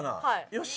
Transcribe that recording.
よし！